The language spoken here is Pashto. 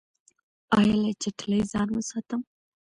ایا له چټلۍ ځان وساتم؟